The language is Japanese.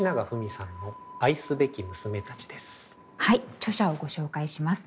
はい著者をご紹介します。